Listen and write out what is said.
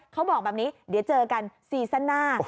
เขาบอกแบบนี้เดี๋ยวเจอกันซีซั่นหน้า